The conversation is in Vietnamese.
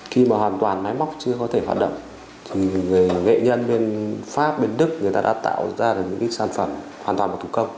khi mà hoàn toàn máy móc chưa có thể hoạt động thì người nghệ nhân bên pháp bên đức người ta đã tạo ra được những cái sản phẩm hoàn toàn bằng thủ công